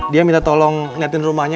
dia minta tolong niatin rumahnya